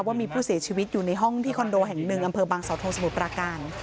ว่ามีผู้เสียชีวิตอยู่ในห้องที่คอนโดแห่งหนึ่งอำเภอบางสาวทงสมุทรปราการ